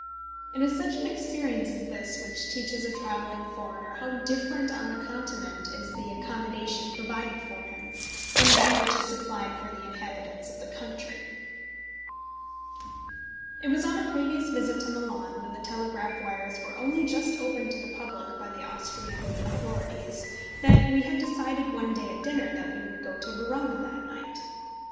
It is such an experience as this which teaches a travelling foreigner how different on the Continent is the accommodation provided for him, from that which is supplied for the inhabitants of the country. It was on a previous visit to Milan, when the telegraph wires were only just opened to the public by the Austrian authorities, that we had decided one day at dinner that we would go to Verona that night.